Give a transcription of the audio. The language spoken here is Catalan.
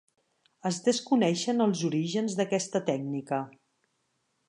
Es desconeixen els orígens d'aquesta tècnica.